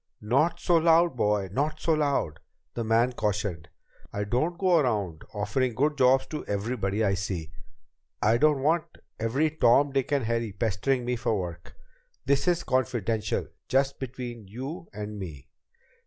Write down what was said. "Not so loud, boy! Not so loud!" the man cautioned. "I don't go around offering good jobs to everybody I see. I don't want every Tom, Dick, and Harry pestering me for work. This is confidential. Just between you and me."